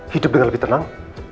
hidup dengan lebih tenang